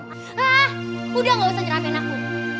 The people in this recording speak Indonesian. hah udah ga usah ngerapain aku